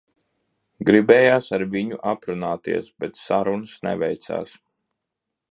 Gribējās ar viņu aprunāties, bet sarunas neveicās.